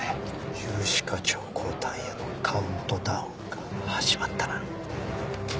融資課長交代へのカウントダウンが始まったな。